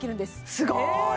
すごーい